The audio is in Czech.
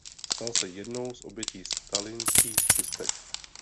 Stal se jednou z obětí stalinských čistek.